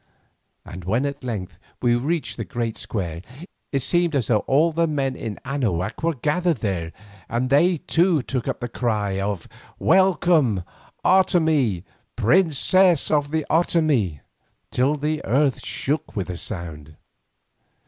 And when at length we reached the great square, it seemed as though all the men in Anahuac were gathered there, and they too took up the cry of "Welcome, Otomie, princess of the Otomie!" till the earth shook with the sound.